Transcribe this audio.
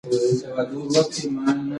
پر ځان د سړي ناروا تسلط د هغه حق ګڼي.